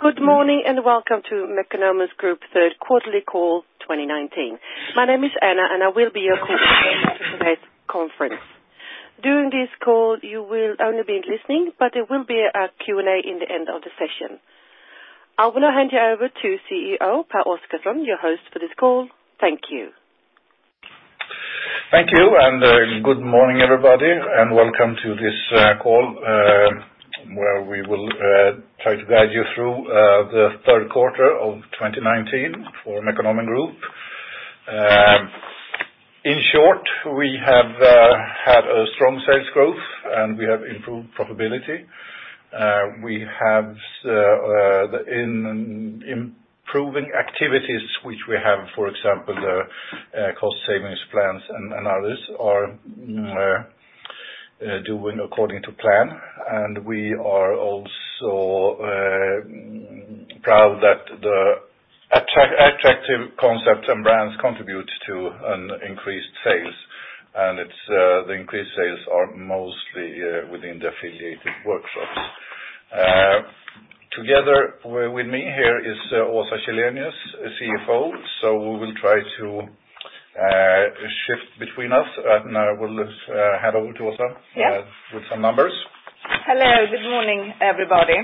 Good morning and welcome to Mekonomen Group third quarterly call 2019. My name is Anna and I will be your coordinator for today's conference. During this call, you will only be listening, but there will be a Q&A in the end of the session. I want to hand you over to CEO Pehr Oscarson, your host for this call. Thank you. Thank you, and good morning, everybody, and welcome to this call, where we will try to guide you through the third quarter of 2019 for Mekonomen Group. In short, we have had a strong sales growth and we have improved profitability. We have improving activities, which we have, for example, the cost savings plans and others are doing according to plan. We are also proud that the attractive concepts and brands contribute to an increased sales. The increased sales are mostly within the affiliated workshops. Together with me here is Åsa Källenius, CFO. We will try to shift between us. I will hand over to Åsa. Yes with some numbers. Hello, good morning, everybody.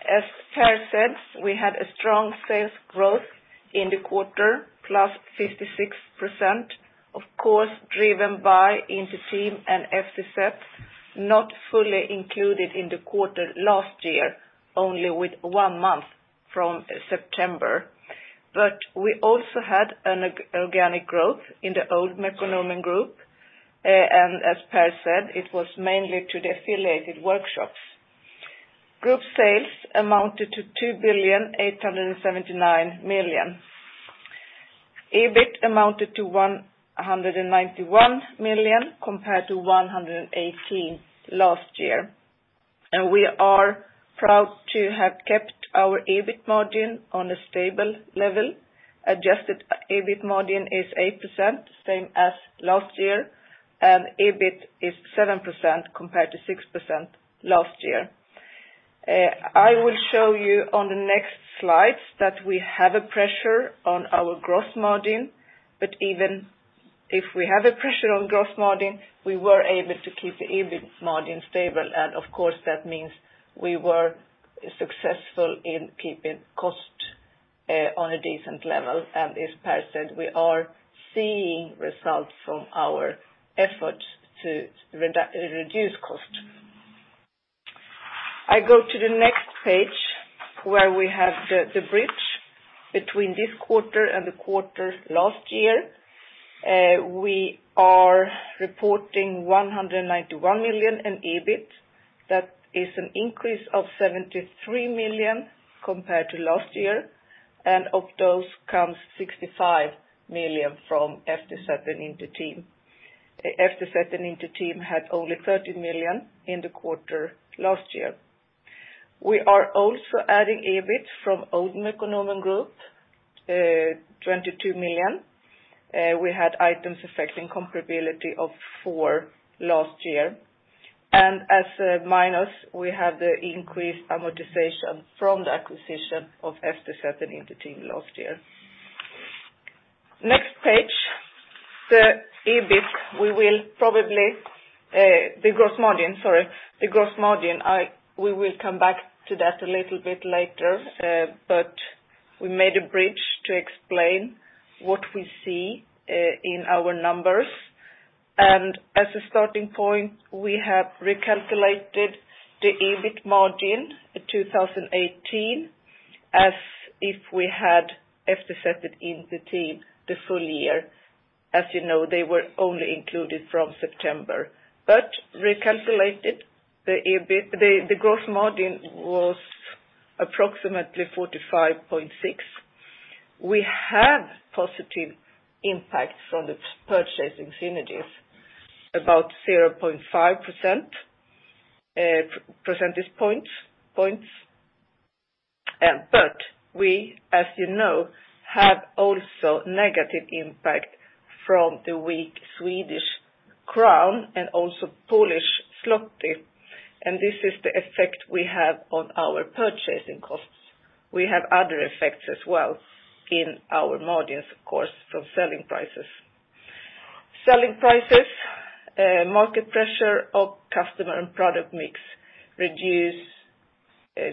As Pehr said, we had a strong sales growth in the quarter, +56%, of course, driven by Inter-Team and FTZ, not fully included in the quarter last year, only with one month from September. We also had an organic growth in the old Mekonomen Group. As Pehr said, it was mainly to the affiliated workshops. Group sales amounted to 2,879,000,000. EBIT amounted to 191,000,000 compared to 118 last year. We are proud to have kept our EBIT margin on a stable level. Adjusted EBIT margin is 8%, same as last year, EBIT is 7% compared to 6% last year. I will show you on the next slide that we have a pressure on our gross margin, but even if we have a pressure on gross margin, we were able to keep the EBIT margin stable. Of course, that means we were successful in keeping cost on a decent level. As Pehr said, we are seeing results from our efforts to reduce cost. I go to the next page where we have the bridge between this quarter and the quarter last year. We are reporting 191 million in EBIT. That is an increase of 73 million compared to last year. Of those comes 65 million from FTZ and Inter-Team. FTZ and Inter-Team had only 30 million in the quarter last year. We are also adding EBIT from old Mekonomen Group, 22 million. We had items affecting comparability of 4 million last year. As a minus, we have the increased amortization from the acquisition of FTZ and Inter-Team last year. Next page, the EBIT. The gross margin, sorry, we will come back to that a little bit later. We made a bridge to explain what we see in our numbers. As a starting point, we have recalculated the EBIT margin 2018 as if we had FTZ and Inter-Team the full year. As you know, they were only included from September. Recalculated the gross margin was approximately 45.6%. We have positive impact from the purchasing synergies, about 0.5 percentage points. We, as you know, have also negative impact from the weak Swedish krona and also Polish zloty. This is the effect we have on our purchasing costs. We have other effects as well in our margins, of course, from selling prices. Selling prices, market pressure of customer and product mix reduce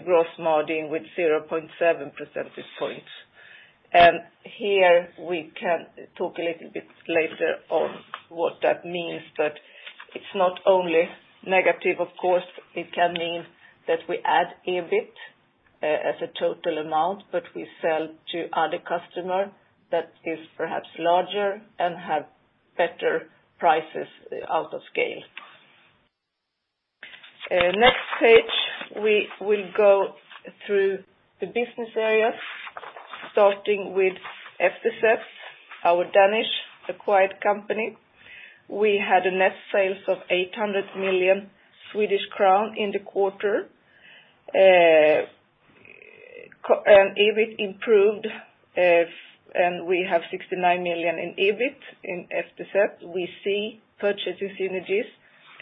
gross margin with 0.7 percentage points. Here we can talk a little bit later on what that means. It's not only negative, of course. It can mean that we add EBIT as a total amount, but we sell to other customer that is perhaps larger and have better prices out of scale. Next page, we will go through the business areas, starting with FTZ, our Danish acquired company. We had a net sales of 800 million Swedish crown in the quarter. EBIT improved, and we have 69 million in EBIT in FTZ. We see purchasing synergies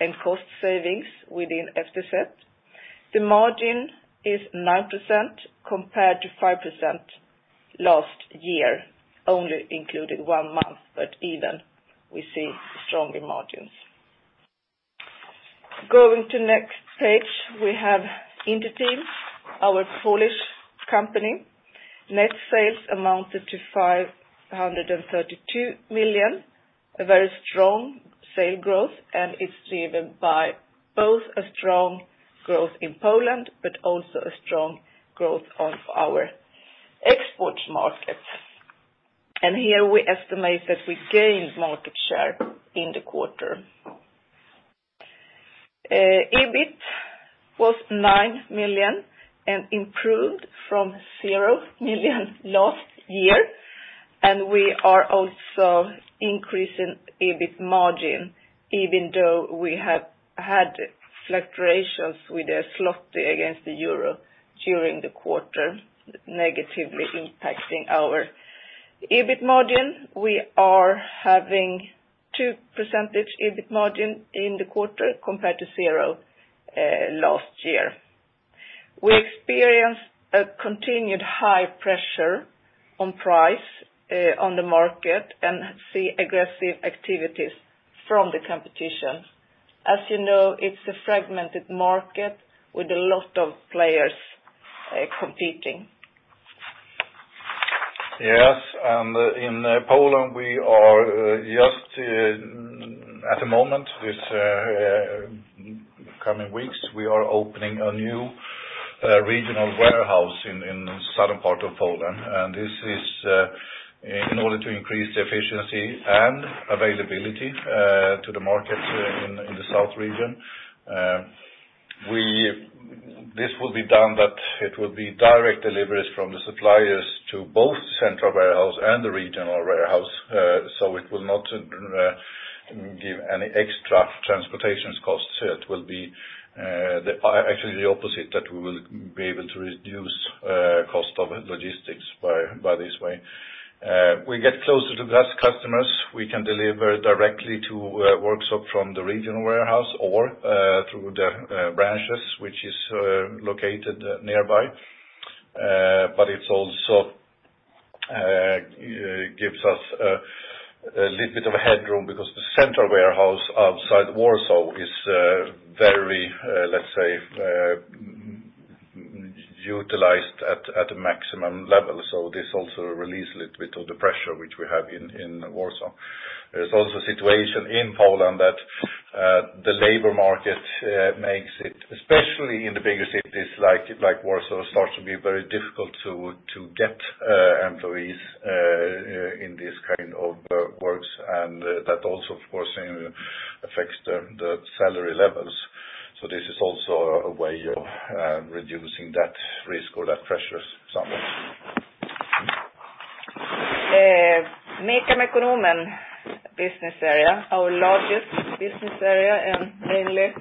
and cost savings within FTZ. The margin is 9% compared to 5% last year, only included one month, we even see stronger margins. Going to next page, we have Inter-Team, our Polish company. Net sales amounted to 532 million, a very strong sale growth, it's driven by both a strong growth in Poland, also a strong growth of our export markets. Here we estimate that we gained market share in the quarter. EBIT was 9 million and improved from 0 million last year, and we are also increasing EBIT margin, even though we have had fluctuations with the PLN against the EUR during the quarter, negatively impacting our EBIT margin. We are having 2% EBIT margin in the quarter compared to 0 last year. We experienced a continued high pressure on price on the market and see aggressive activities from the competition. As you know, it's a fragmented market with a lot of players competing. Yes, in Poland, we are just at the moment, these coming weeks, we are opening a new regional warehouse in the southern part of Poland. This is in order to increase the efficiency and availability to the market in the south region. This will be done that it will be direct deliveries from the suppliers to both the central warehouse and the regional warehouse. It will not give any extra transportations costs. It will be actually the opposite, that we will be able to reduce cost of logistics by this way. We get closer to customers. We can deliver directly to a workshop from the regional warehouse or through the branches, which is located nearby. It also gives us a little bit of a headroom because the central warehouse outside Warsaw is very, let's say, utilized at a maximum level. This also releases a little bit of the pressure which we have in Warsaw. There's also a situation in Poland that the labor market makes it, especially in the bigger cities like Warsaw, starts to be very difficult to get employees in this kind of work, and that also, of course, affects the salary levels. This is also a way of reducing that risk or that pressure somewhat. MECA/Mekonomen business area, our largest business area, and mainly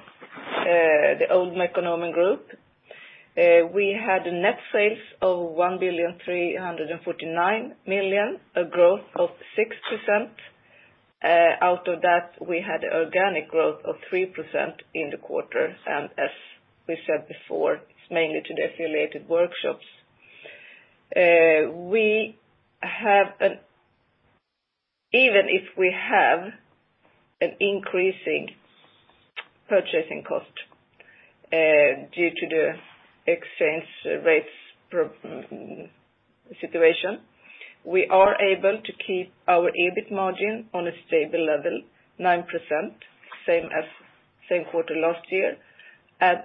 the old Mekonomen Group. We had a net sales of 1,349 million, a growth of 6%. Out of that, we had organic growth of 3% in the quarter. As we said before, it's mainly to the affiliated workshops. Even if we have an increasing purchasing cost due to the exchange rates situation, we are able to keep our EBIT margin on a stable level, 9%, same as same quarter last year.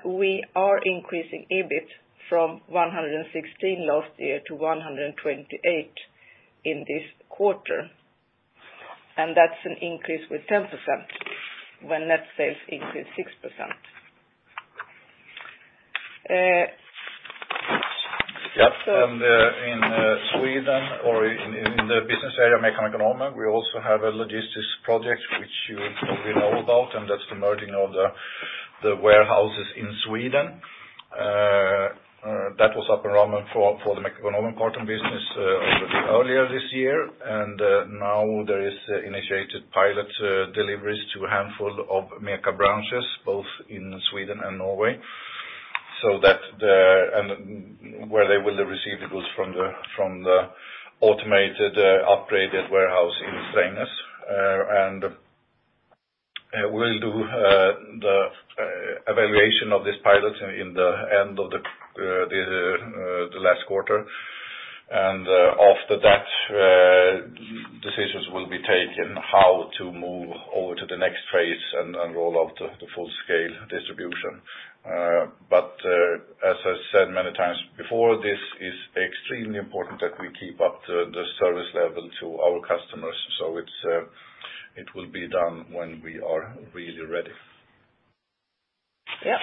We are increasing EBIT from 116 million last year to 128 million in this quarter. That's an increase with 10% when net sales increased 6%. In Sweden or in the business area, MECA Mekonomen, we also have a logistics project which you probably know about, and that's the merging of the warehouses in Sweden. That was up and running for the Mekonomen business a little bit earlier this year, and now there is initiated pilot deliveries to a handful of MECA branches, both in Sweden and Norway, where they will receive the goods from the automated upgraded warehouse in Strängnäs. We'll do the evaluation of this pilot in the end of the last quarter. After that, decisions will be taken how to move over to the next phase and roll out the full-scale distribution. As I said many times before, this is extremely important that we keep up the service level to our customers, so it will be done when we are really ready. Yeah.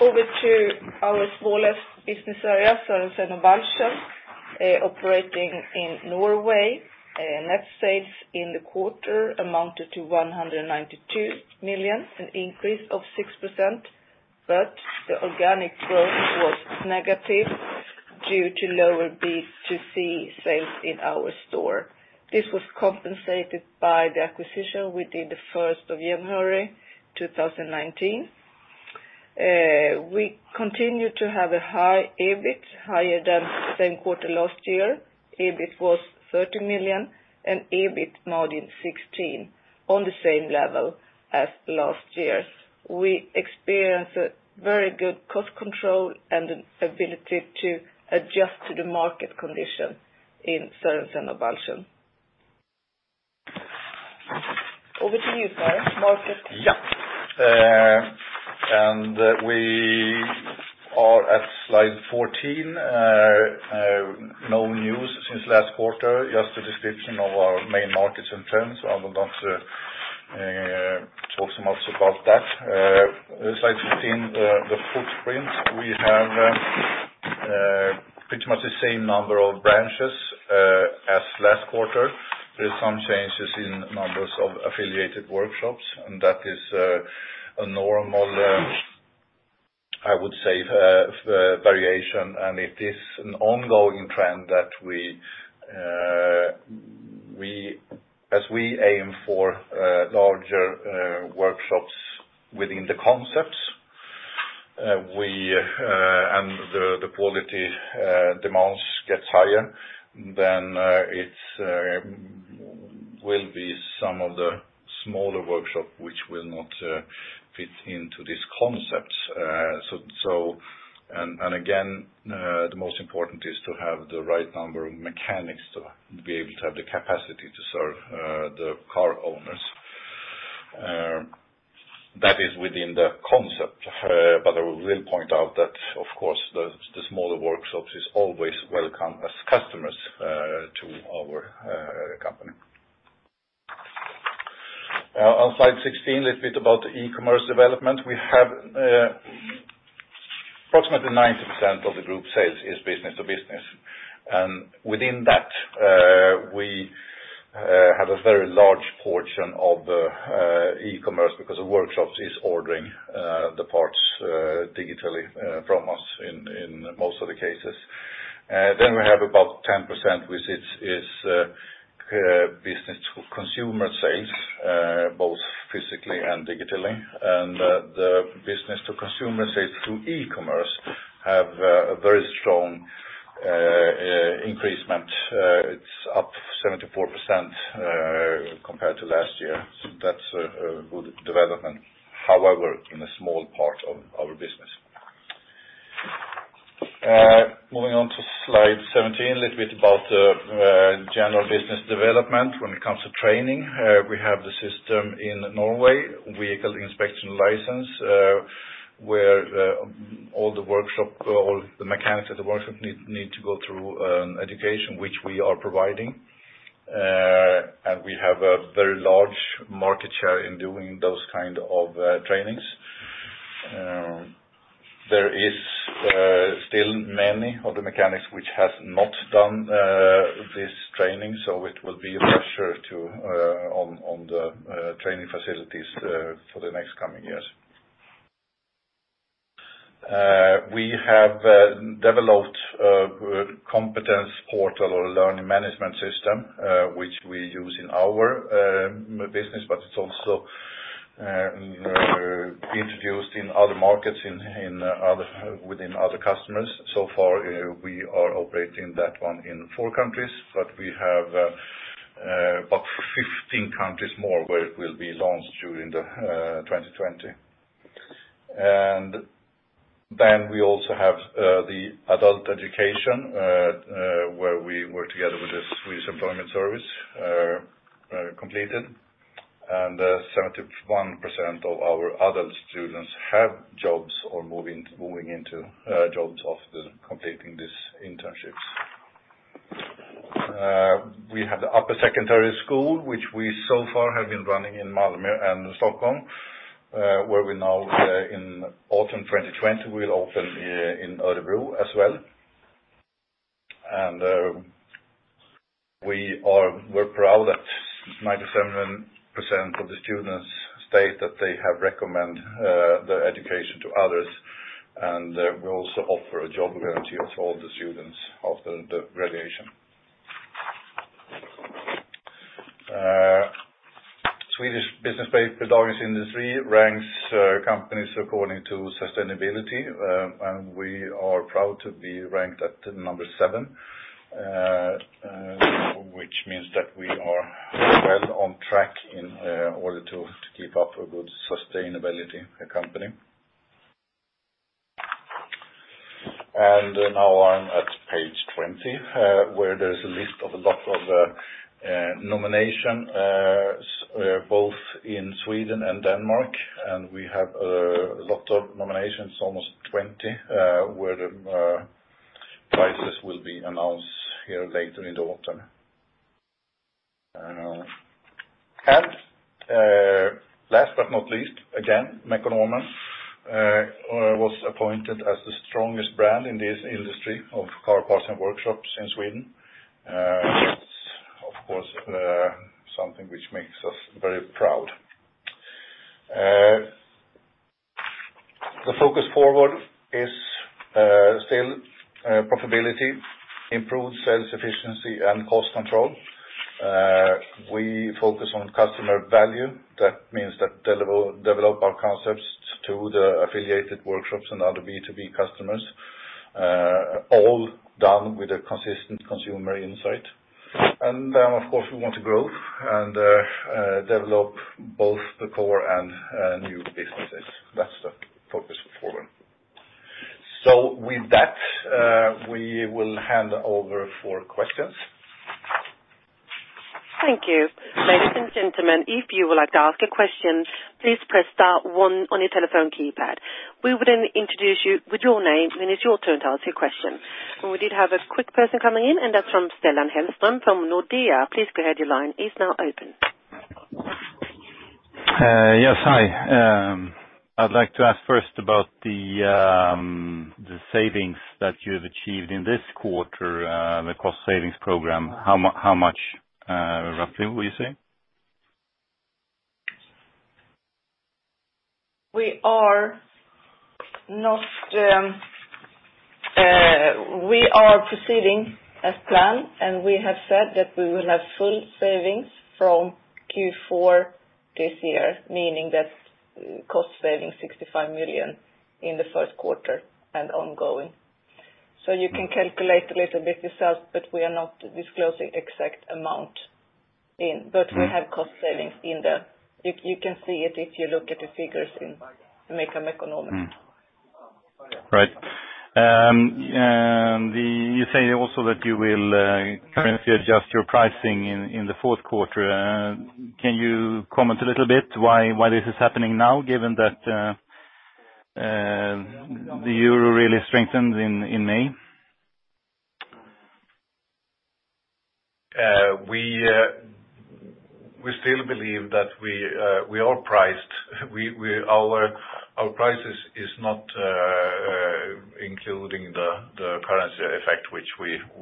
Over to our smallest business area, Sørensen og Balchen. Operating in Norway, net sales in the quarter amounted to 192 million, an increase of 6%. The organic growth was negative due to lower B2C sales in our store. This was compensated by the acquisition we did the 1st of January 2019. We continued to have a high EBIT, higher than same quarter last year. EBIT was 30 million and EBIT margin 16%, on the same level as last year. We experienced a very good cost control and an ability to adjust to the market condition in Sørensen og Balchen. Over to you, Børre, market. Yeah. We are at slide 14. No news since last quarter, just a description of our main markets and trends. I will not talk so much about that. Slide 15, the footprint. We have pretty much the same number of branches as last quarter. There is some changes in numbers of affiliated workshops, and that is a normal, I would say, variation, and it is an ongoing trend as we aim for larger workshops within the concepts, and the quality demands gets higher, then it will be some of the smaller workshop which will not fit into these concepts. Again, the most important is to have the right number of mechanics to be able to have the capacity to serve the car owners. That is within the concept, but I will point out that, of course, the smaller workshops is always welcome as customers to our company. On slide 16, a little bit about the e-commerce development. We have approximately 90% of the group sales is business to business. Within that, we have a very large portion of the e-commerce because the workshops is ordering the parts digitally from us in most of the cases. We have about 10% which is business to consumer sales, both physically and digitally. The business to consumer sales through e-commerce have a very strong increasement. It's up 74% compared to last year. That's a good development, however, in a small part of our business. Moving on to slide 17, a little bit about the general business development when it comes to training. We have the system in Norway, vehicle inspection license, where all the workshop, all the mechanics at the workshop need to go through an education, which we are providing. We have a very large market share in doing those kind of trainings. There is still many of the mechanics which has not done this training, so it will be a pressure on the training facilities for the next coming years. We have developed a competence portal or learning management system, which we use in our business, but it's also introduced in other markets within other customers. Far, we are operating that one in four countries, but we have about 15 countries more where it will be launched during 2020. We also have the adult education, where we work together with the Swedish Employment Service, completed, and 71% of our adult students have jobs or moving into jobs after completing these internships. We have the upper secondary school, which we so far have been running in Malmö and Stockholm, where we now in autumn 2020 will open in Örebro as well. We're proud that 97% of the students state that they have recommend the education to others, and we also offer a job guarantee of all the students after the graduation. Swedish business paper Dagens Industri ranks companies according to sustainability, and we are proud to be ranked at number seven, which means that we are well on track in order to keep up a good sustainability company. Now I'm at page 20, where there's a list of a lot of nomination, both in Sweden and Denmark, and we have a lot of nominations, almost 20, where the prizes will be announced here later in the autumn. Last but not least, again, Mekonomen was appointed as the strongest brand in this industry of car parts and workshops in Sweden. That's of course something which makes us very proud. The focus forward is still profitability, improved sales efficiency and cost control. We focus on customer value. That means that develop our concepts to the affiliated workshops and other B2B customers, all done with a consistent consumer insight. Of course, we want to grow and develop both the core and new businesses. That's the focus forward. With that, we will hand over for questions. Thank you. Ladies and gentlemen, if you would like to ask a question, please press star one on your telephone keypad. We will then introduce you with your name, then it's your turn to ask your question. We did have a quick person coming in, that's from Stellan Hellström from Nordea. Please go ahead, your line is now open. Yes, hi. I'd like to ask first about the savings that you've achieved in this quarter, the cost savings program. How much roughly will you say? We are proceeding as planned, and we have said that we will have full savings from Q4 this year, meaning that cost saving 65 million in the first quarter and ongoing. You can calculate a little bit yourself, we are not disclosing exact amount. We have cost savings. You can see it if you look at the figures in Mekonomen. Right. You say also that you will currency adjust your pricing in the fourth quarter. Can you comment a little bit why this is happening now, given that the euro really strengthened in May? We still believe that our prices is not including the currency effect, which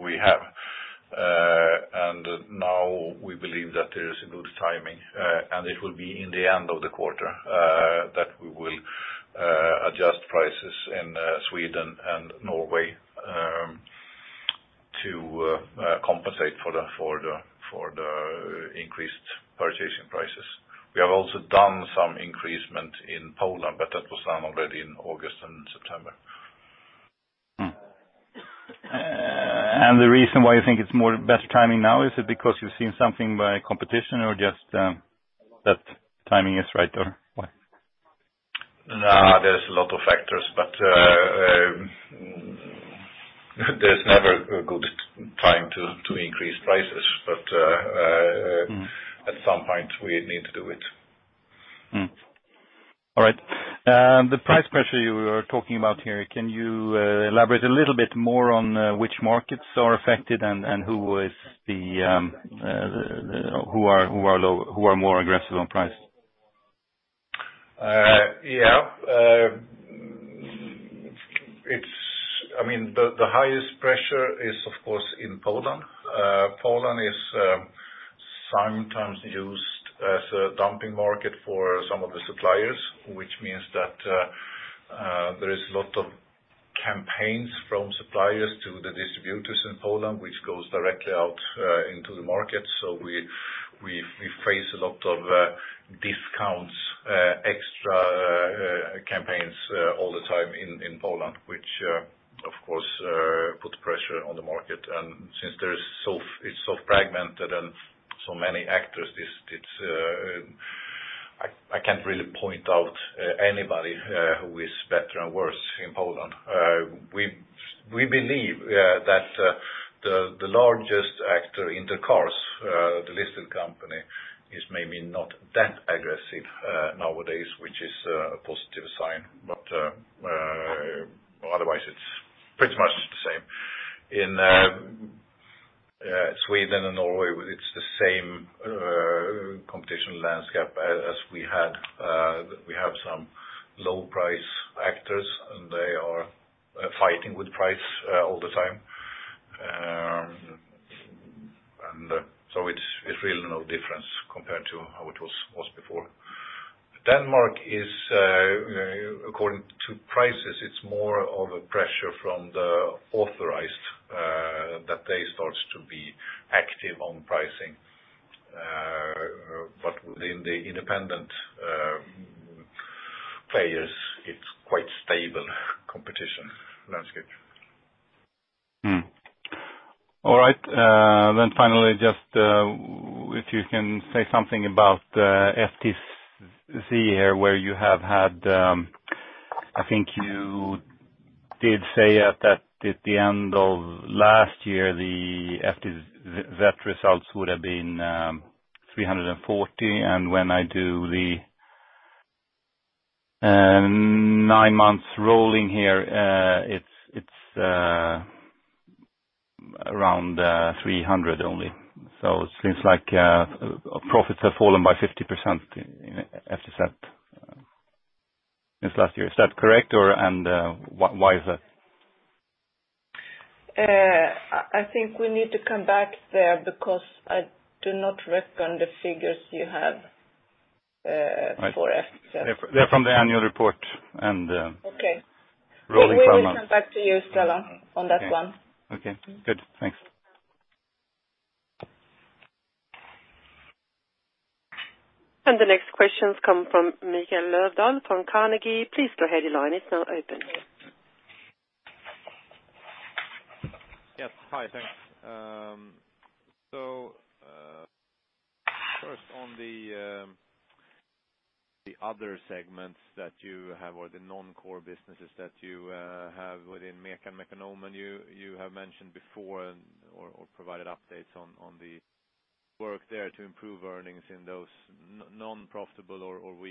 we have. Now we believe that there is a good timing, and it will be in the end of the quarter, that we will adjust prices in Sweden and Norway to compensate for the increased purchasing prices. We have also done some increase in Poland, but that was done already in August and September. The reason why you think it's more best timing now, is it because you've seen something by competition or just that timing is right or why? There's a lot of factors, there's never a good time to increase prices. At some point we need to do it. All right. The price pressure you were talking about here, can you elaborate a little bit more on which markets are affected and who are more aggressive on price? Yeah. The highest pressure is of course in Poland. Poland is sometimes used as a dumping market for some of the suppliers, which means that there is a lot of campaigns from suppliers to the distributors in Poland, which goes directly out into the market. We face a lot of discounts, extra campaigns all the time in Poland, which of course puts pressure on the market. Since it's so fragmented and so many actors, I can't really point out anybody who is better and worse in Poland. We believe that the largest actor in the cars, the listed company, is maybe not that aggressive nowadays, which is a positive sign. Otherwise it's pretty much the same. In Sweden and Norway it's the same competition landscape as we had. We have some low price actors and they are fighting with price all the time. It's really no difference compared to how it was before. Denmark is according to prices, it's more of a pressure from the authorized, that they start to be active on pricing. Within the independent players, it's quite stable competition landscape. All right. Finally, just if you can say something about FTZ here, where you have had, I think you did say that at the end of last year, the EBIT results would have been 340 when I do the nine months rolling here, it's around 300 only. It seems like profits have fallen by 50% in FTZ since last year. Is that correct? Why is that? I think we need to come back there because I do not reckon the figures you have for FTZ. They're from the annual report. Okay. Rolling 12 months. We will come back to you, Stellan, on that one. Okay, good. Thanks. The next questions come from Mikael Löfdahl from Carnegie. Please go ahead. Your line is now open. Yes. Hi, thanks. First on the other segments that you have or the non-core businesses that you have within MEKO, Mekonomen, you have mentioned before or provided updates on the work there to improve earnings in those non-profitable or with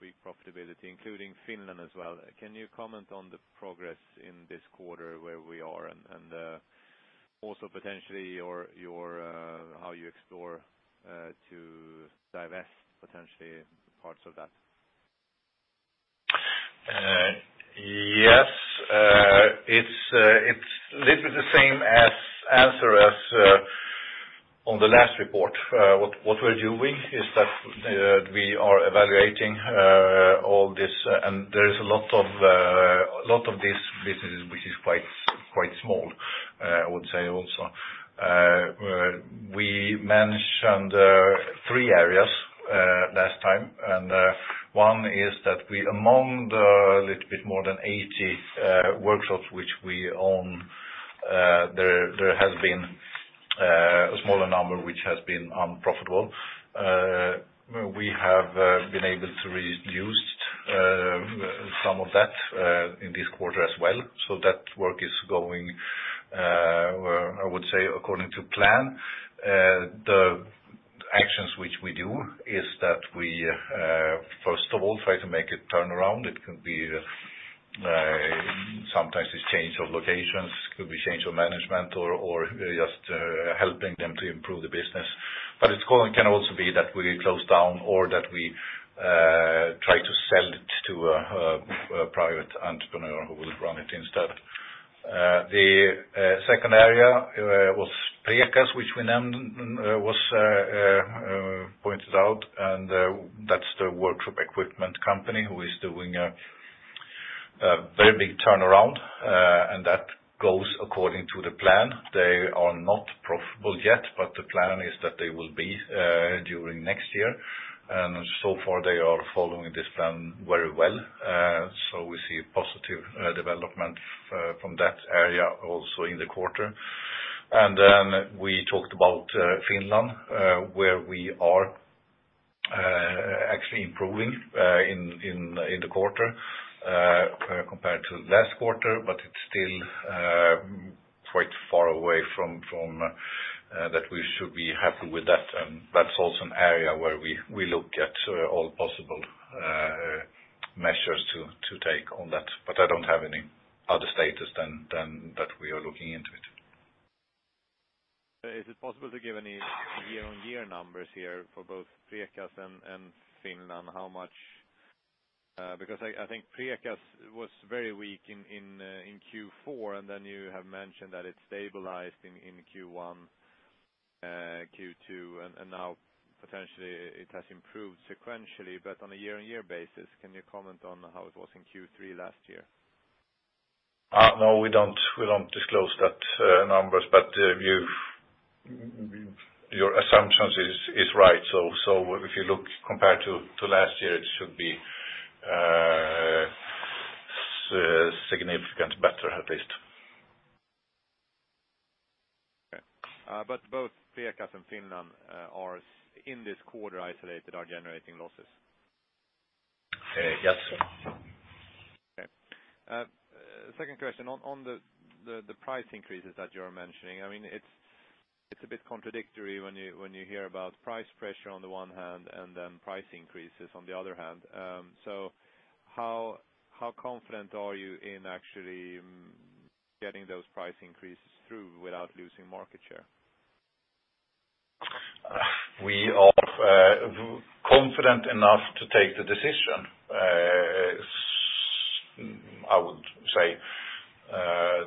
weak profitability, including Finland as well. Can you comment on the progress in this quarter, where we are and also potentially how you explore to divest potentially parts of that? Yes. It's literally the same answer as on the last report. What we're doing is that we are evaluating all this. There is a lot of these businesses which is quite small, I would say also. We mentioned three areas last time. One is that we, among the little bit more than 80 workshops which we own, there has been a smaller number which has been unprofitable. We have been able to reduce some of that in this quarter as well. That work is going, I would say, according to plan. The actions which we do is that we, first of all, try to make a turnaround. It can be sometimes it's change of locations, could be change of management or just helping them to improve the business. It can also be that we close down or that we try to sell it to a private entrepreneur who will run it instead. The second area was Preqas, which we named, was pointed out, and that's the workshop equipment company who is doing a very big turnaround, and that goes according to the plan. They are not profitable yet, but the plan is that they will be during next year. So far, they are following this plan very well. We see a positive development from that area also in the quarter. Then we talked about Finland, where we are actually improving in the quarter compared to last quarter, but it's still quite far away from that we should be happy with that. That's also an area where we look at all possible measures to take on that. I don't have any other status than that we are looking into it. Is it possible to give any year-on-year numbers here for both Preqas and Finland? I think Preqas was very weak in Q4, and then you have mentioned that it stabilized in Q1, Q2, and now potentially it has improved sequentially, but on a year-on-year basis, can you comment on how it was in Q3 last year? No, we don't disclose that numbers, but your assumptions is right. If you look compared to last year, it should be significant better at least. Okay. Both Preqas and Finland are in this quarter isolated, are generating losses? Yes. Okay. Second question on the price increases that you're mentioning. It's a bit contradictory when you hear about price pressure on the one hand and then price increases on the other hand. How confident are you in actually getting those price increases through without losing market share? We are confident enough to take the decision. I would say,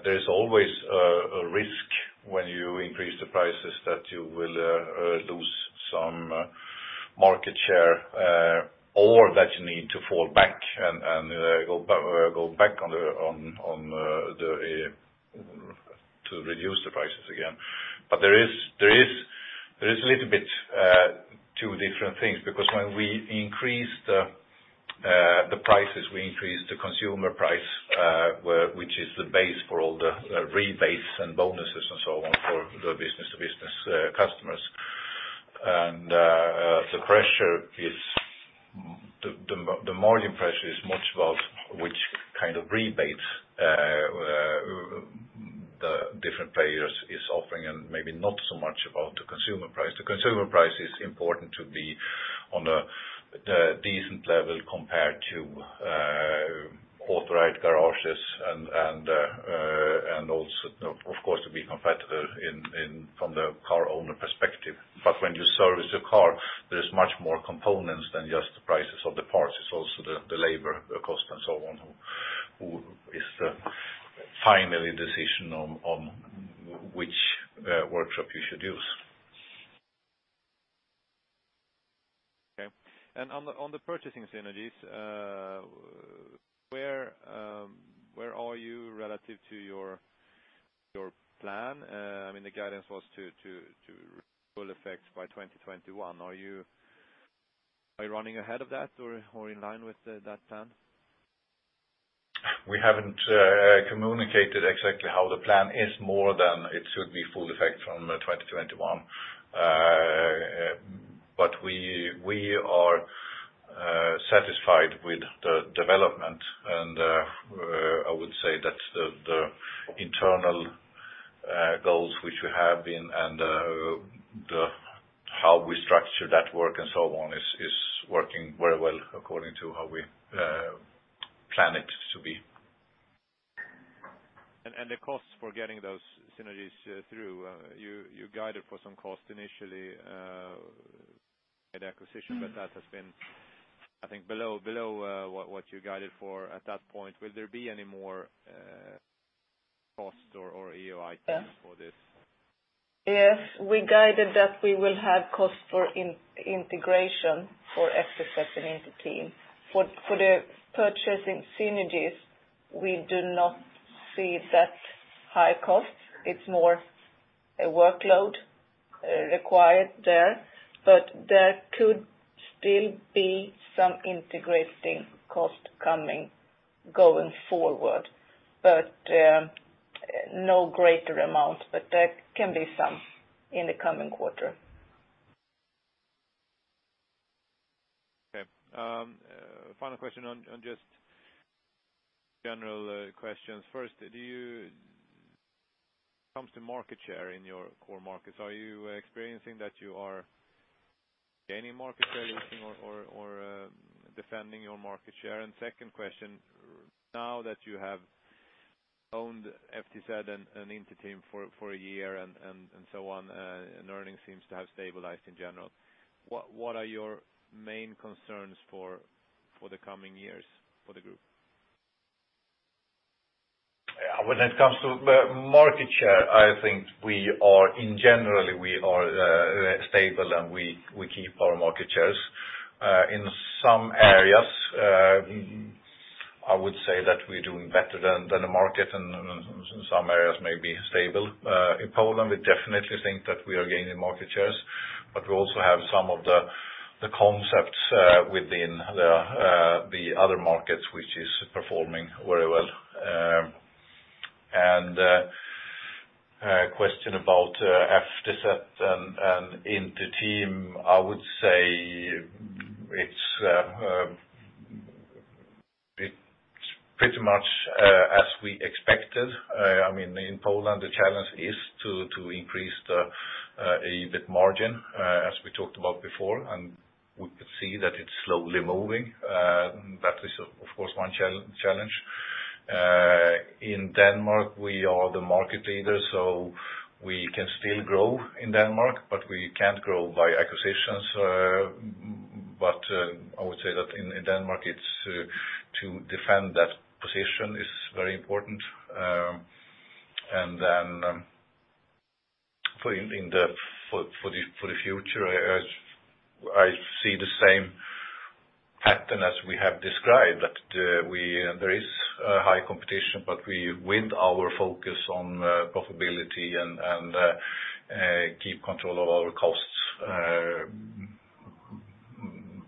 there's always a risk when you increase the prices that you will lose some market share or that you need to fall back and go back to reduce the prices again. There is a little bit two different things because when we increase the prices, we increase the consumer price which is the base for all the rebates and bonuses and so on for the business-to-business customers. The rebates the different players is offering and maybe not so much about the consumer price. The consumer price is important to be on a decent level compared to authorized garages and also of course, to be competitive from the car owner perspective. When you service a car, there's much more components than just the prices of the parts. It is also the labor cost and so on, who is the final decision on which workshop you should use. Okay. On the purchasing synergies, where are you relative to your plan? The guidance was to full effect by 2021. Are you running ahead of that or in line with that plan? We haven't communicated exactly how the plan is more than it should be full effect from 2021. We are satisfied with the development and I would say that the internal goals which we have been and how we structure that work and so on is working very well according to how we plan it to be. The costs for getting those synergies through, you guided for some cost initially at acquisition, but that has been, I think, below what you guided for at that point. Will there be any more cost or EBIT for this? Yes. We guided that we will have cost for integration for FTZ and Inter-Team. For the purchasing synergies, we do not see that high cost. It's more a workload required there. There could still be some integrating cost coming going forward. No greater amount, but there can be some in the coming quarter. Okay. Final question on just general questions. When it comes to market share in your core markets, are you experiencing that you are gaining market share, losing or defending your market share? Second question, now that you have owned FTZ and Inter-Team for a year and so on, and earnings seems to have stabilized in general, what are your main concerns for the coming years for the group? When it comes to market share, I think in general, we are stable and we keep our market shares. In some areas, I would say that we are doing better than the market, and some areas may be stable. In Poland, we definitely think that we are gaining market shares, but we also have some of the concepts within the other markets, which is performing very well. Question about FTZ and Inter-Team, I would say it's pretty much as we expected. In Poland, the challenge is to increase the EBIT margin, as we talked about before, and we could see that it's slowly moving. That is, of course, one challenge. In Denmark, we are the market leader, so we can still grow in Denmark, but we can't grow by acquisitions. I would say that in Denmark, to defend that position is very important. For the future, I see the same pattern as we have described that there is a high competition, but with our focus on profitability and keep control of our costs,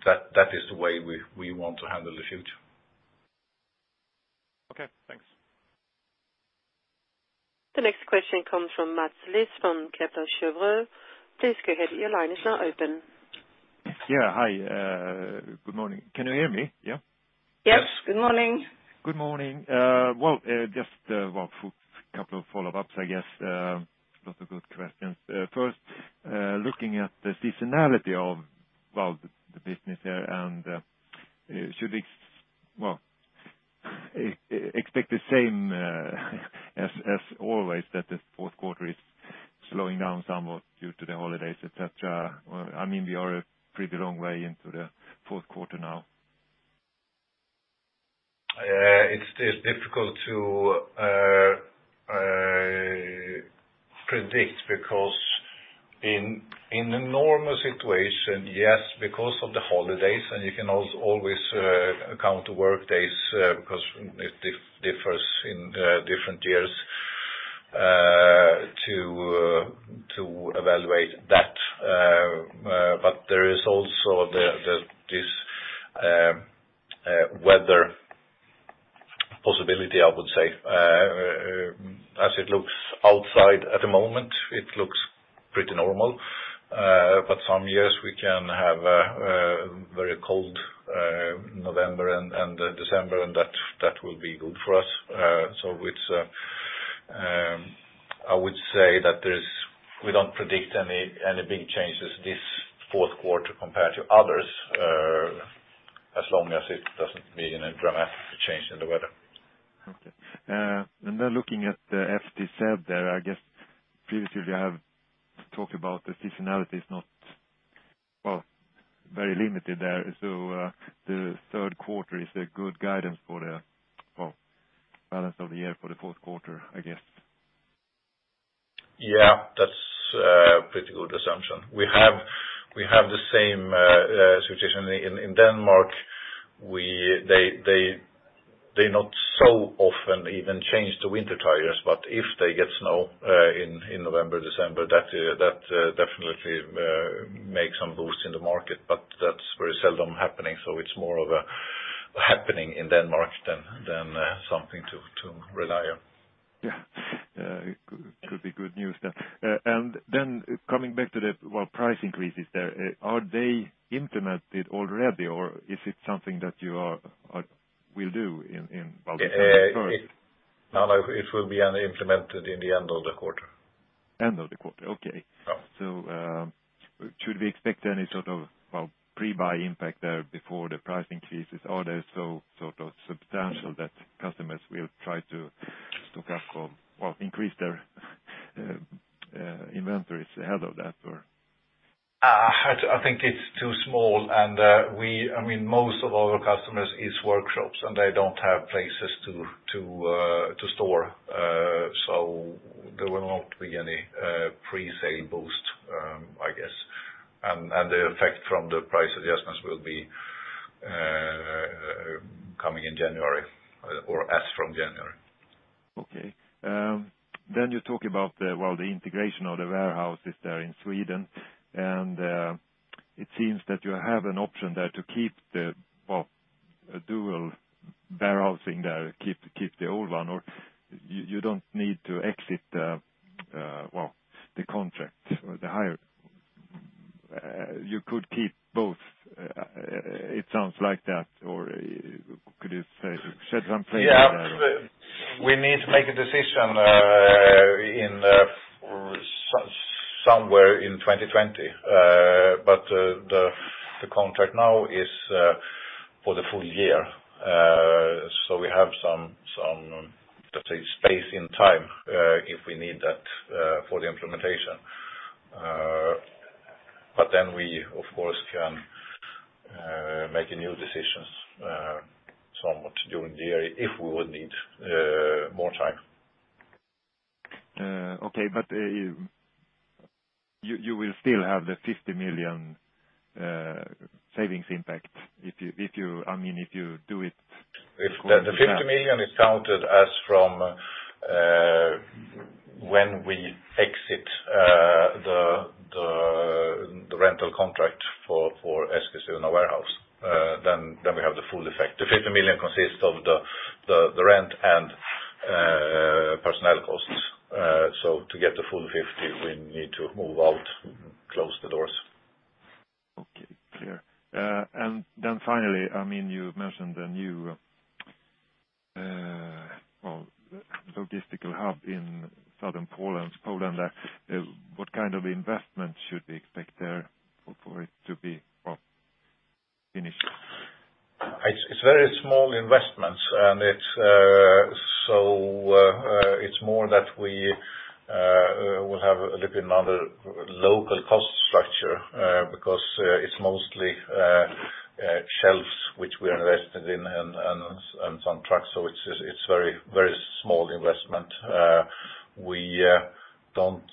that is the way we want to handle the future. Okay, thanks. The next question comes from Mats Liss from Kepler Cheuvreux. Please go ahead. Your line is now open. Yeah, hi. Good morning. Can you hear me? Yeah? Yes, good morning. Good morning. Just a couple of follow-ups I guess, lots of good questions. First, looking at the seasonality of the business there and should we expect the same as always that the fourth quarter is slowing down somewhat due to the holidays, et cetera? We are a pretty long way into the fourth quarter now. It's still difficult to predict because in a normal situation, yes, because of the holidays, and you can always count the workdays because it differs in different years to evaluate that. There is also this weather possibility, I would say. As it looks outside at the moment, it looks pretty normal. Some years we can have a very cold November and December, and that will be good for us. I would say that we don't predict any big changes this fourth quarter compared to others, as long as it doesn't mean a dramatic change in the weather. Okay. Looking at the FTZ there, I guess previously you have talked about the seasonality is very limited there. The third quarter is a good guidance for the balance of the year for the fourth quarter, I guess. That's a pretty good assumption. We have the same situation in Denmark. They not so often even change to winter tires, but if they get snow in November, December, that definitely makes some boost in the market, but that's very seldom happening. It's more of a happening in Denmark than something to rely on. Yeah. Could be good news then. Coming back to the price increases there, are they implemented already or is it something that you will do in Baltic? No, it will be implemented in the end of the quarter. End of the quarter. Okay. Yeah. Should we expect any sort of pre-buy impact there before the price increases? Are they substantial that customers will try to stock up or increase their inventories ahead of that? I think it's too small, and most of our customers is workshops, and they don't have places to store. There will not be any pre-sale boost, I guess. The effect from the price adjustments will be coming in January, or as from January. Okay. You talk about the integration of the warehouses there in Sweden, and it seems that you have an option there to keep a dual warehousing there, keep the old one, or you do not need to exit the contract or the hire. You could keep both. It sounds like that, or could you say something? Yeah. We need to make a decision somewhere in 2020. The contract now is for the full year. We have some, let's say, space and time if we need that for the implementation. We, of course, can make new decisions somewhat during the year if we would need more time. Okay. You will still have the 50 million savings impact if you do it. The 50 million is counted as from when we exit the rental contract for Eskilstuna warehouse, then we have the full effect. The 50 million consists of the rent and personnel costs. To get the full 50, we need to move out, close the doors. Okay, clear. Then finally, you mentioned the new logistical hub in southern Poland. What kind of investment should we expect there for it to be finished? It's very small investments. It's more that we will have a little bit another local cost structure, because it's mostly shelves which we invested in and some trucks, so it's very small investment. We don't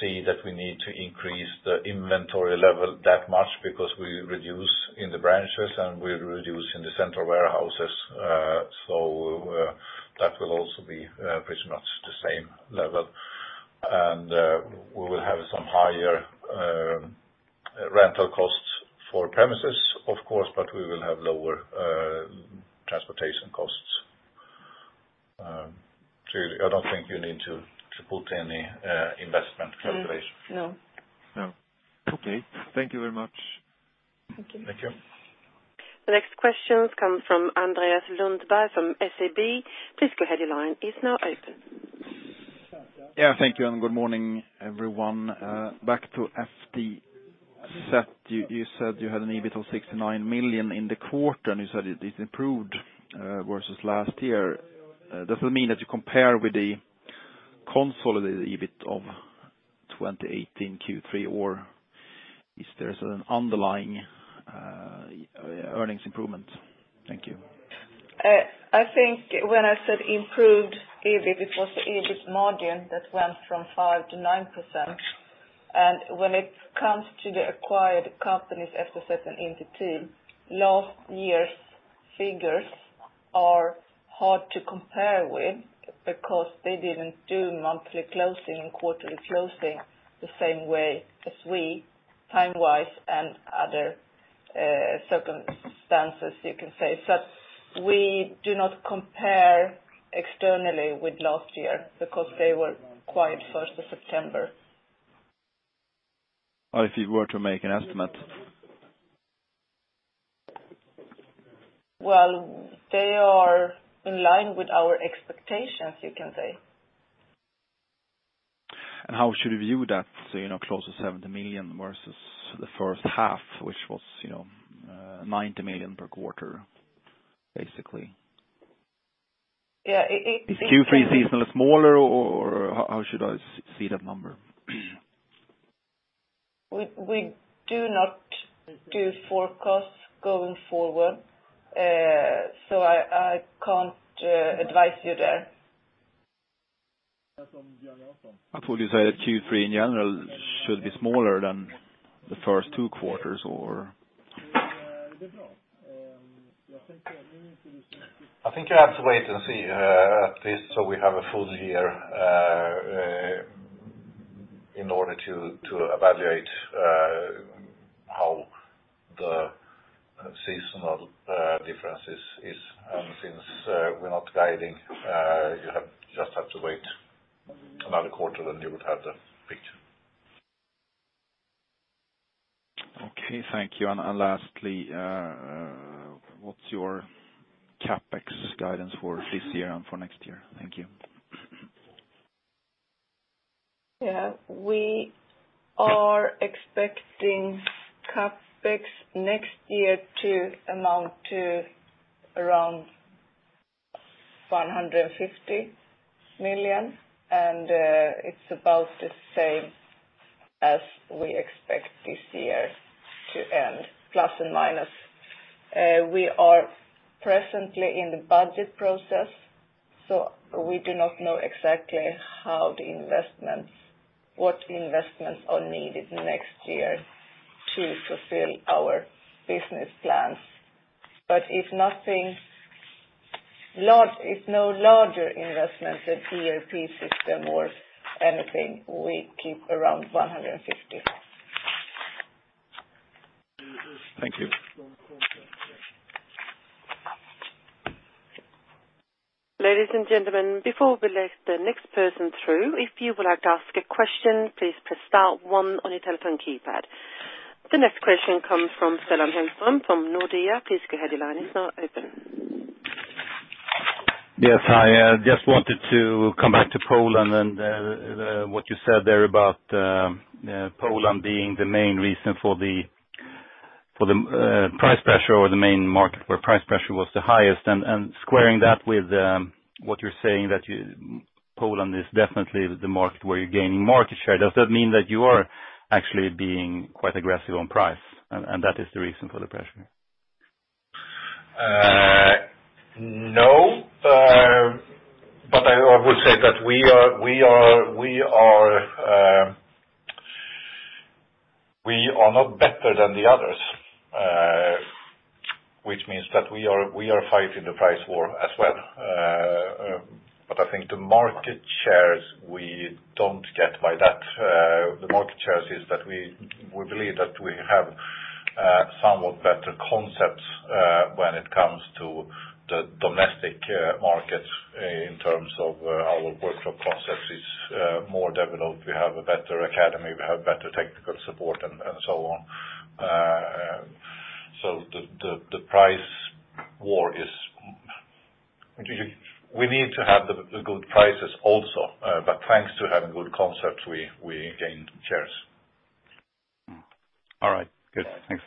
see that we need to increase the inventory level that much because we reduce in the branches and we reduce in the central warehouses. That will also be pretty much the same level. We will have some higher rental costs for premises, of course, but we will have lower transportation costs. Clearly, I don't think you need to put any investment calculations. No. No. Okay. Thank you very much. Thank you. Thank you. The next questions come from Andreas Lundberg from SEB. Please go ahead, your line is now open. Yeah, thank you, and good morning, everyone. Back to FTZ, you said you had an EBIT of 69 million in the quarter, and you said it improved versus last year. Does it mean that you compare with the consolidated EBIT of 2018 Q3, or is there an underlying earnings improvement? Thank you. I think when I said improved EBIT, it was the EBIT margin that went from 5% to 9%. When it comes to the acquired companies, FSS and Inter-Team, last year's figures are hard to compare with because they didn't do monthly closing and quarterly closing the same way as we, time-wise and other circumstances, you can say. We do not compare externally with last year because they were acquired 1st of September. If you were to make an estimate? Well, they are in line with our expectations, you can say. How should we view that closer to 7 million versus the first half, which was 90 million per quarter, basically? Yeah. Is Q3 seasonally smaller, or how should I see that number? We do not do forecasts going forward, so I can't advise you there. I thought you said that Q3 in general should be smaller than the first two quarters, or? I think you have to wait and see at least so we have a full year in order to evaluate how the seasonal differences is. Since we're not guiding, you just have to wait another quarter, then you would have the picture. Okay, thank you. Lastly, what's your CapEx guidance for this year and for next year? Thank you. We are expecting CapEx next year to amount to around 150 million, and it's about the same as we expect this year to end, plus and minus. We are presently in the budget process, so we do not know exactly what investments are needed next year to fulfill our business plans. If no larger investment than ERP system or anything, we keep around 150. Thank you. Ladies and gentlemen, before we let the next person through, if you would like to ask a question, please press star one on your telephone keypad. The next question comes from Stellan Hellström from Nordea. Please go ahead, your line is now open. Yes. I just wanted to come back to Poland and what you said there about Poland being the main reason for the price pressure or the main market where price pressure was the highest. Squaring that with what you're saying that Poland is definitely the market where you're gaining market share. Does that mean that you are actually being quite aggressive on price and that is the reason for the pressure? No. I would say that we are not better than the others, which means that we are fighting the price war as well. I think the market shares we don't get by that. The market shares is that we believe that we have somewhat better concepts, when it comes to the domestic markets in terms of our workshop concepts is more developed. We have a better academy, we have better technical support and so on. The price war is. We need to have the good prices also, but thanks to having good concepts, we gain shares. All right, good. Thanks.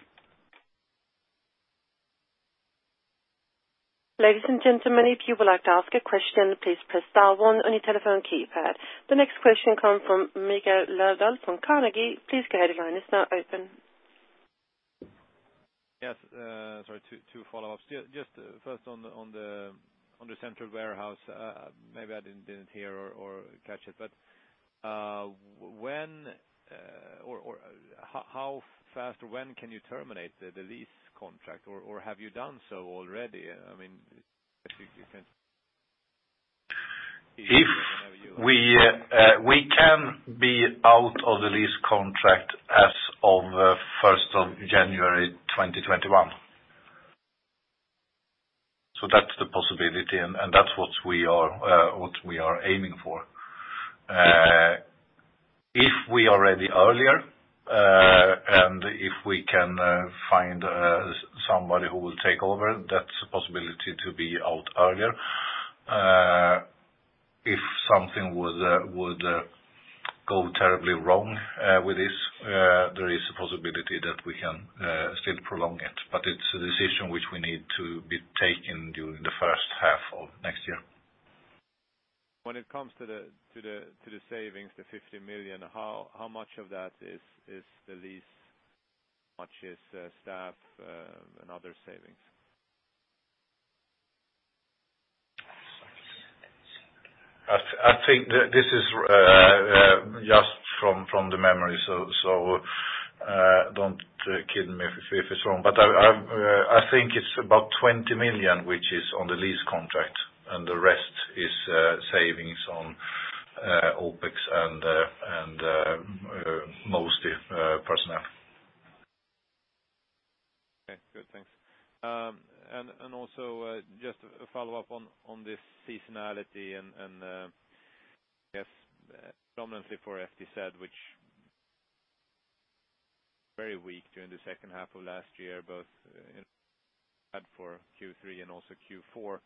Ladies and gentlemen, if you would like to ask a question, please press star one on your telephone keypad. The next question come from Mikael Löfdahl from Carnegie. Please go ahead, your line is now open. Yes, sorry, two follow-ups. Just first on the central warehouse, maybe I didn't hear or catch it, how fast or when can you terminate the lease contract? Have you done so already? We can be out of the lease contract as of 1st of January 2021. That's the possibility, and that's what we are aiming for. Okay. If we are ready earlier, if we can find somebody who will take over, that's a possibility to be out earlier. If something would go terribly wrong with this, there is a possibility that we can still prolong it. It's a decision which we need to be taken during the first half of next year. When it comes to the savings, the 50 million, how much of that is the lease, how much is staff and other savings? I think this is just from the memory, so don't kill me if it's wrong. I think it's about 20 million, which is on the lease contract, and the rest is savings on-OpEx and mostly personnel. Okay, good. Thanks. Also just a follow-up on this seasonality and, I guess, predominantly for FTZ, which very weak during the second half of last year, both for Q3 and also Q4.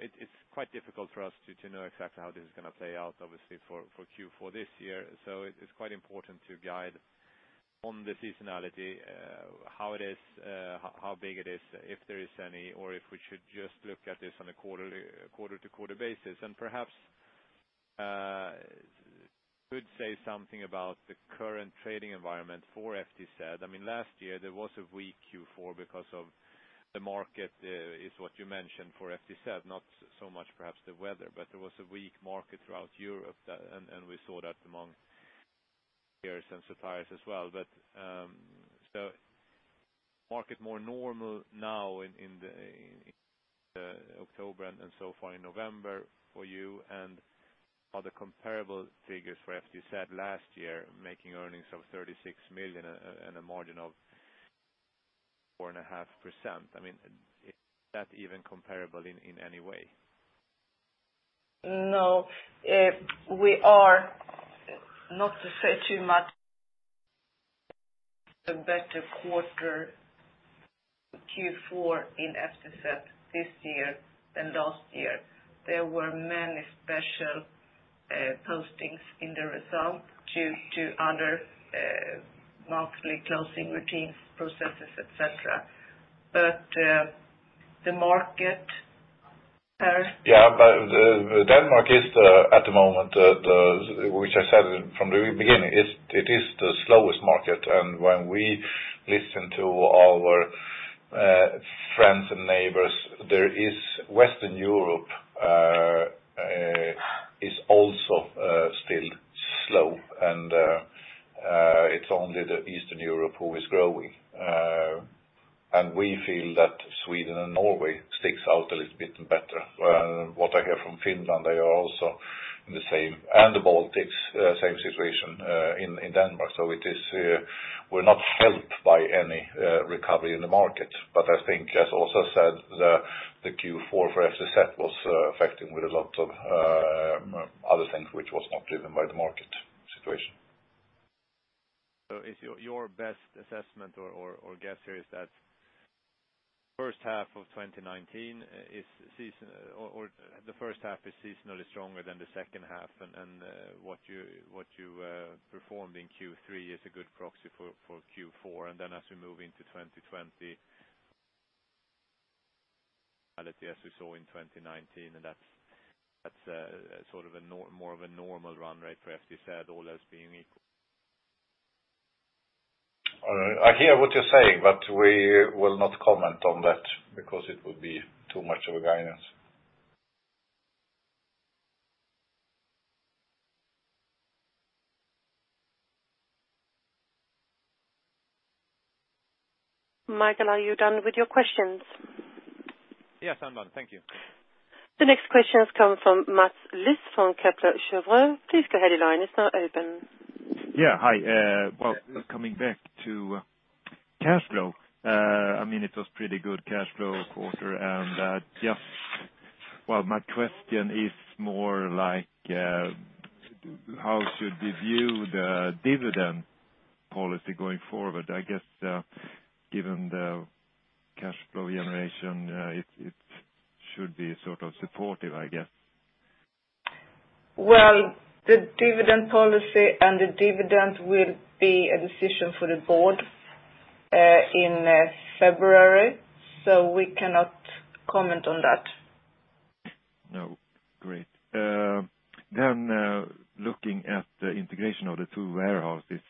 It's quite difficult for us to know exactly how this is going to play out, obviously, for Q4 this year. It's quite important to guide on the seasonality, how it is, how big it is, if there is any, or if we should just look at this on a quarter-to-quarter basis and perhaps could say something about the current trading environment for FTZ. Last year, there was a weak Q4 because of the market, is what you mentioned for FTZ, not so much perhaps the weather, but there was a weak market throughout Europe and we saw that among peers and suppliers as well. Is the market more normal now in October and so far in November for you and are the comparable figures for FTZ last year, making earnings of 36 million and a margin of 4.5%? Is that even comparable in any way? No. We are, not to say too much, a better quarter Q4 in FTZ this year than last year. There were many special postings in the result due to other monthly closing routines, processes, et cetera. The market, Pehr? Denmark is at the moment, which I said from the very beginning, it is the slowest market. When we listen to our friends and neighbors, Western Europe is also still slow and it's only Eastern Europe who is growing. We feel that Sweden and Norway sticks out a little bit better. What I hear from Finland, they are also the same, and the Baltics, same situation in Denmark. We're not helped by any recovery in the market. I think, as also said, the Q4 for FTZ was affected with a lot of other things, which was not driven by the market situation. Is your best assessment or guess here is that first half of 2019 is seasonally stronger than the second half, and what you performed in Q3 is a good proxy for Q4, and then as we move into 2020, as we saw in 2019, and that's more of a normal run rate for FTZ, all else being equal? I hear what you're saying, but we will not comment on that because it would be too much of a guidance. Mikael, are you done with your questions? Yes, I'm done. Thank you. The next question comes from Mats Liss from Kepler Cheuvreux. Please go ahead, your line is now open. Yeah. Hi. Well, coming back to cash flow, it was pretty good cash flow quarter. My question is more like, how should we view the dividend policy going forward? I guess, given the cash flow generation, it should be supportive, I guess. Well, the dividend policy and the dividend will be a decision for the board in February. We cannot comment on that. No. Great. Looking at the integration of the two warehouses,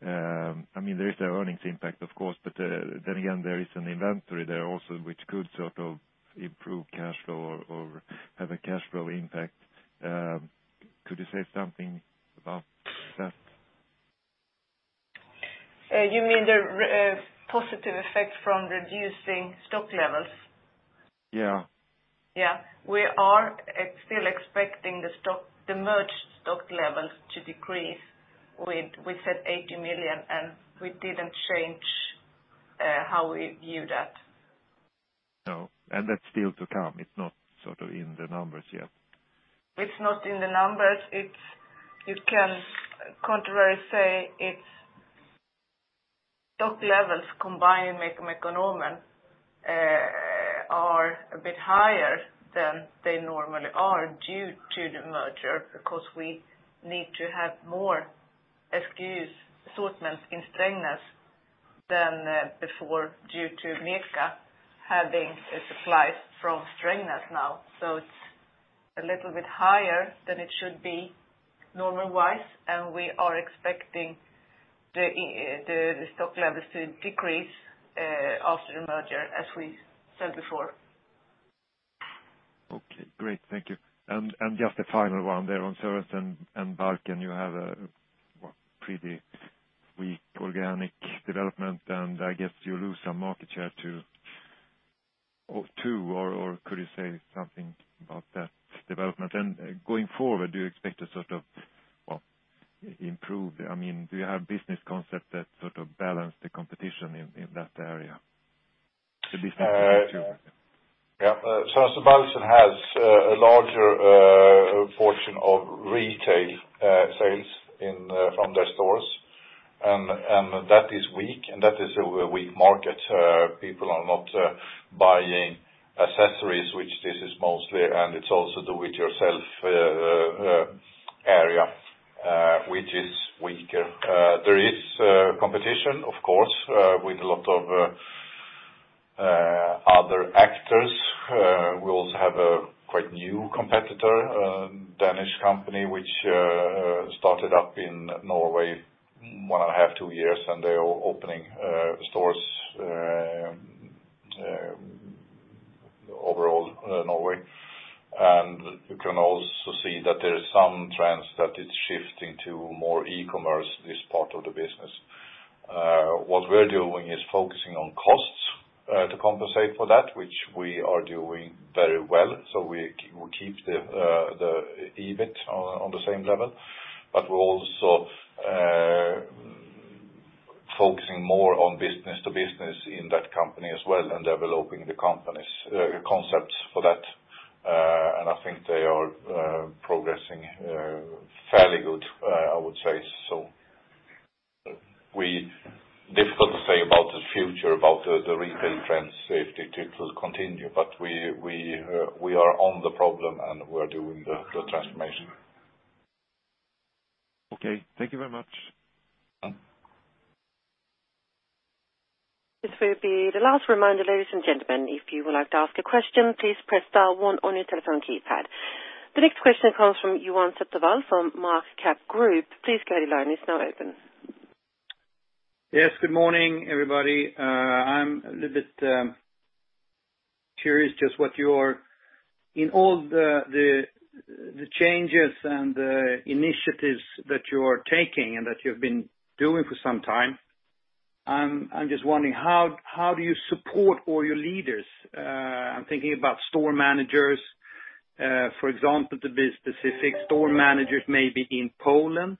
there is the earnings impact, of course, there is an inventory there also which could improve cash flow or have a cash flow impact. Could you say something about that? You mean the positive effect from reducing stock levels? Yeah. Yeah. We are still expecting the merged stock levels to decrease with that 80 million, and we didn't change how we view that. No. That's still to come. It's not in the numbers yet. It's not in the numbers. You can contrary say it's stock levels combined with Mekonomen are a bit higher than they normally are due to the merger, because we need to have more FTZ assortment in Strängnäs than before due to MECA having supplies from Strängnäs now. It's a little bit higher than it should be normal-wise, and we are expecting the stock levels to decrease after the merger as we said before. Okay, great. Thank you. Just a final one there on Sørensen og Balchen. You have a pretty weak organic development, and I guess you lose some market share to Two, or could you say something about that development? Going forward, do you expect to improve? Do you have business concept that balance the competition in that area? Yeah. Sørensen og Balchen has a larger portion of retail sales from their stores. That is weak, and that is a weak market. People are not buying accessories, which this is mostly, and it's also do-it-yourself area, which is weaker. There is competition, of course, with a lot of other actors. We also have a quite new competitor, a Danish company, which started up in Norway one and a half, two years ago, and they are opening stores overall in Norway. You can also see that there's some trends that is shifting to more e-commerce, this part of the business. What we're doing is focusing on costs to compensate for that, which we are doing very well. We will keep the EBIT on the same level. We're also focusing more on business to business in that company as well and developing the company's concepts for that. I think they are progressing fairly good, I would say. Difficult to say about the future, about the retail trend, if it will continue. We are on the problem, and we are doing the transformation. Okay. Thank you very much. Yeah. This will be the last reminder, ladies and gentlemen. If you would like to ask a question, please press star one on your telephone keypad. The next question comes from Johan Sephtaval from Marcap Group. Please go ahead, your line is now open. Yes. Good morning, everybody. I'm a little bit curious just in all the changes and the initiatives that you are taking and that you've been doing for some time, I'm just wondering, how do you support all your leaders? I'm thinking about store managers. For example, to be specific, store managers may be in Poland.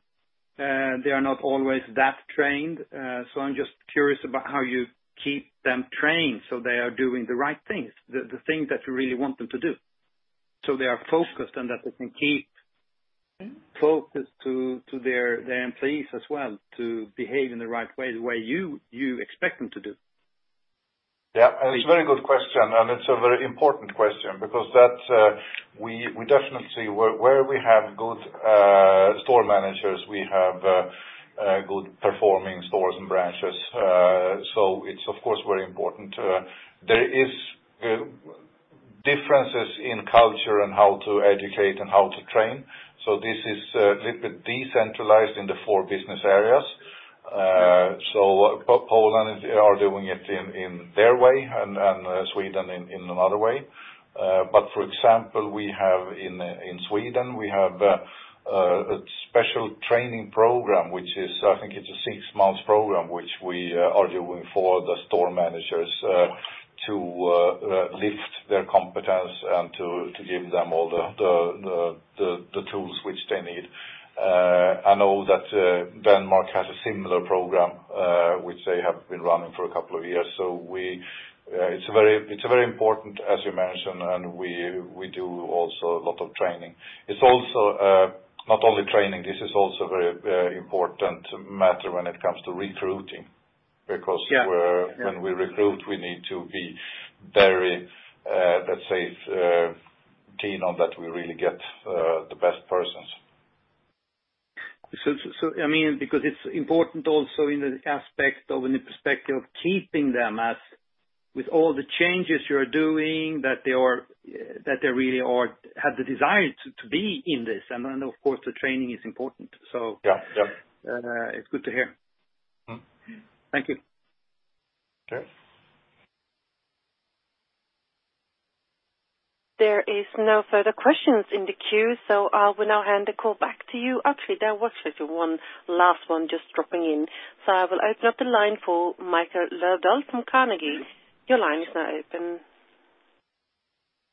They are not always that trained. I'm just curious about how you keep them trained so they are doing the right things, the things that you really want them to do. They are focused, and that they can keep focused to their employees as well, to behave in the right way, the way you expect them to do. It's a very good question, and it's a very important question because we definitely, where we have good store managers, we have good performing stores and branches. It's of course very important. There is differences in culture and how to educate and how to train. This is a little bit decentralized in the four business areas. Poland are doing it in their way and Sweden in another way. For example, in Sweden, we have a special training program, which is, I think it's a six-month program, which we are doing for the store managers, to lift their competence and to give them all the tools which they need. I know that Denmark has a similar program, which they have been running for a couple of years. It's very important, as you mentioned, and we do also a lot of training. It's not only training, this is also very important matter when it comes to recruiting. Yeah When we recruit, we need to be very keen on that we really get the best persons. It's important also in the aspect of, in the perspective of keeping them as with all the changes you're doing, that they really have the desire to be in this, and then of course, the training is important. Yeah. It's good to hear. Thank you. Okay. There is no further questions in the queue. I will now hand the call back to you. Actually, there was one last one just dropping in. I will open up the line for Mikael Löfdahl from Carnegie. Your line is now open.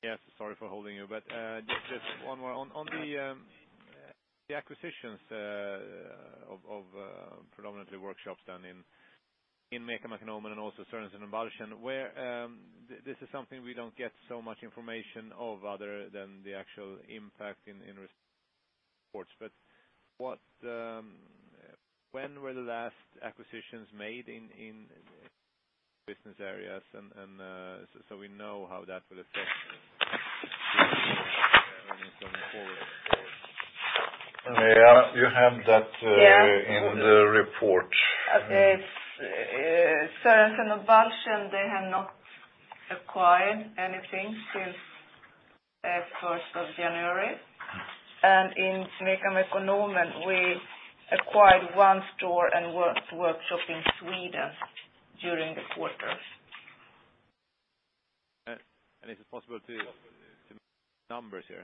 Yes, sorry for holding you. Just one more. On the acquisitions of predominantly workshops done in MEKO, Mekonomen, and also Sørensen og Balchen, this is something we don't get so much information of other than the actual impact in reports. When were the last acquisitions made in business areas? We know how that will affect going forward. You have that- Yeah in the report. Sørensen og Balchen, they have not acquired anything since 1st of January. In MEKO, Mekonomen, we acquired one store and workshop in Sweden during the quarter. Is it possible to mention numbers here?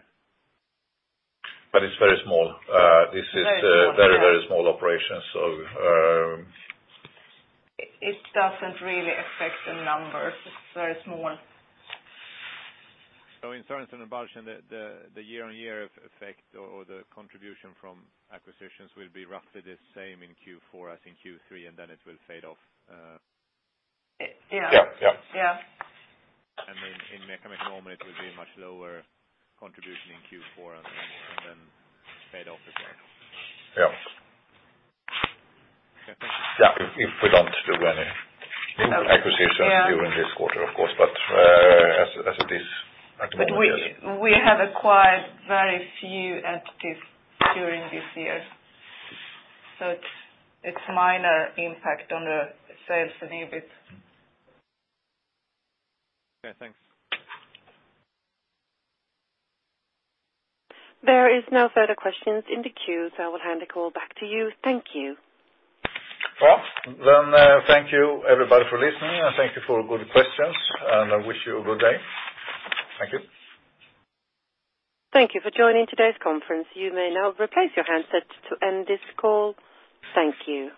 It's very small. Very small, yeah. a very small operation. It doesn't really affect the numbers. It's very small. In Sørensen og Balchen, the year-on-year effect or the contribution from acquisitions will be roughly the same in Q4 as in Q3, and then it will fade off. Yeah. Yeah. Yeah. In MEKO, Mekonomen, it will be a much lower contribution in Q4 and then fade off as well. Yeah. Okay. Thank you. Yeah. If we don't do any acquisitions during this quarter, of course, but as it is at the moment, yes. We have acquired very few entities during this year. It's minor impact on the sales and EBIT. Okay, thanks. There is no further questions in the queue. I will hand the call back to you. Thank you. Well, thank you everybody for listening, and thank you for good questions, and I wish you a good day. Thank you. Thank you for joining today's conference. You may now replace your handsets to end this call. Thank you.